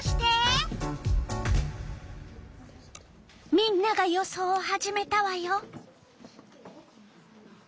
みんなが予想を始めたわよ！